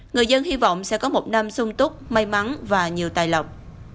người dân hy vọng sẽ có một năm sung túc may mắn và nhiều tài lộc